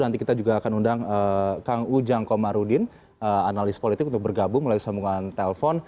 nanti kita juga akan undang kang ujang komarudin analis politik untuk bergabung melalui sambungan telpon